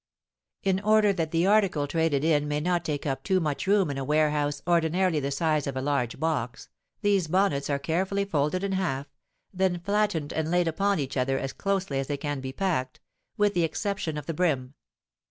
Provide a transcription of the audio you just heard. In order that the article traded in may not take up too much room in a warehouse ordinarily the size of a large box, these bonnets are carefully folded in half, then flattened and laid upon each other as closely as they can be packed, with the exception of the brim.